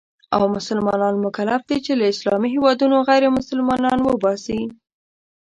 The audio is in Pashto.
او مسلمانان مکلف دي چې له اسلامي هېوادونو غیرمسلمانان وباسي.